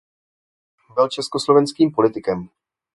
Byl československým politikem.